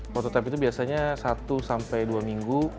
mototipe itu biasanya satu sampai dua minggu